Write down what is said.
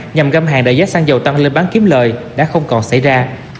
nhằm găm hàng đầy giá sang dầu tăng lên bán kiếm lời đã không còn xảy ra